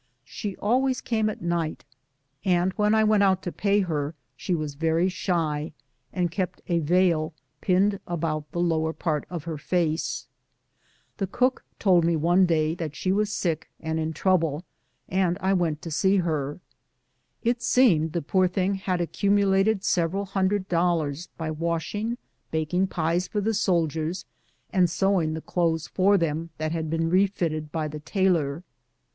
She always came at night, and when I went out to pay her she was very shy, and kept a veil pinned about the lower part of her face. The cook told me one DOMESTIC TRIALS. 199 day that she was sick and in trouble, and I went to see lier. It seemed the poor thing liad accumulated several hundred dollars by washing, baking pies for the soldiers, and sew^ing the clothes for them that had been refitted by the tailor.